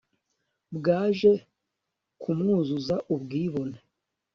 bwaje kumwuzuza ubwibone